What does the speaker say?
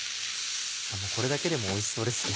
これだけでもおいしそうですね。